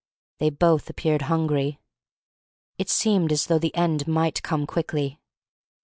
They both appeared hungry. It seemed as though the end might come quickly.